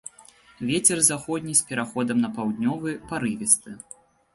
Вецер заходні з пераходам на паўднёвы, парывісты.